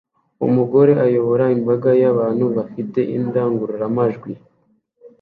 Umugore ayobora imbaga y'abantu bafite indangururamajwi